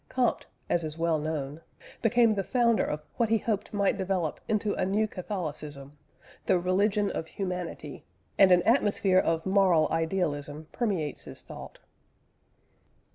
Comte, as is well known, became the founder of what he hoped might develop into a new Catholicism the "Religion of Humanity," and an atmosphere of moral idealism permeates his thought.